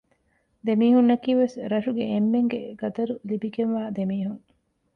ދެ މީހުންނަކީވެސް ރަށުގެ އެންމެންގެ ޤަދަރު ލިބިގެންވާ ދެމީހުން